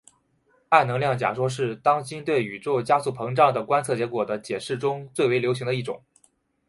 暗能量假说是当今对宇宙加速膨胀的观测结果的解释中最为流行的一种。